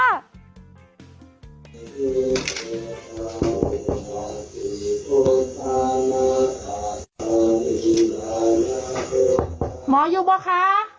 หมออยู่บ้างคะ